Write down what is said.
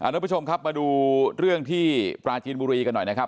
ทุกผู้ชมครับมาดูเรื่องที่ปราจีนบุรีกันหน่อยนะครับ